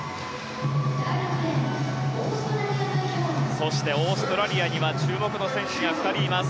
そしてオーストラリアには注目の選手が２人います。